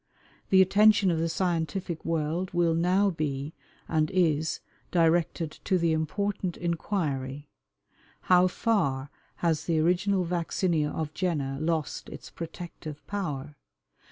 The attention of the scientific world will now be, and is, directed to the important inquiry, How far has the original vaccinia of Jenner lost its protective power?